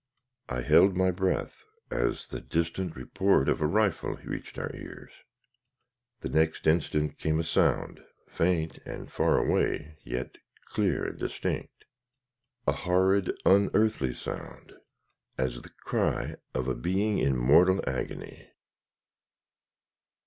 I held my breath, as the distant report of a rifle reached our ears. The next instant came a sound, faint and far away yet clear and distinct a horrid, unearthly sound, as the cry of a being in mortal agony!